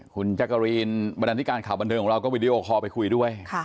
คุณจักรีนบรรดาธิการข่าวบันเทิงของเราก็วิดีโอคอลไปคุยด้วย